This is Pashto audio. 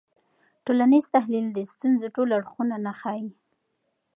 ټولنیز تحلیل د ستونزو ټول اړخونه نه ښيي.